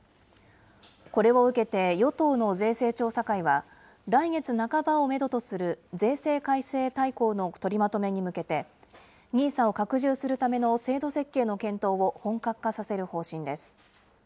これを受けて、与党の税制調査会は、来月半ばをメドとする税制改正大綱の取りまとめに向けて、ＮＩＳＡを拡充するための制度設計の検討を本格化させる方針です。